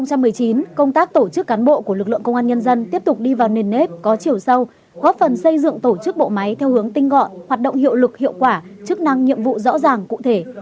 năm hai nghìn một mươi chín công tác tổ chức cán bộ của lực lượng công an nhân dân tiếp tục đi vào nền nếp có chiều sâu góp phần xây dựng tổ chức bộ máy theo hướng tinh gọn hoạt động hiệu lực hiệu quả chức năng nhiệm vụ rõ ràng cụ thể